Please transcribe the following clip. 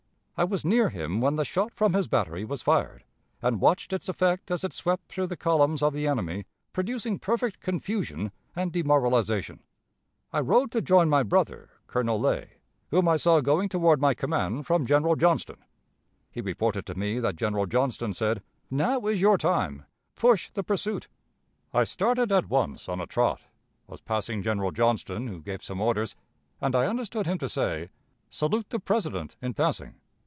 I was near him when the shot from his battery was fired, and watched its effect as it swept through the columns of the enemy, producing perfect confusion and demoralization.... I rode to join my brother, Colonel Lay, whom I saw going toward my command from General Johnston. He reported to me that General Johnston said: 'Now is your time; push the pursuit.' I started at once on a trot, was passing General Johnston, who gave some orders, and I understood him to say, 'Salute the President in passing.'